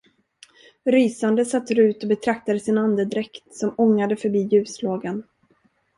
Rysande satt Rut och betraktade sin andedräkt, som ångade förbi ljuslågan.